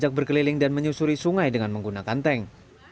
dia berkeliling dan menyusuri sungai dengan menggunakan tank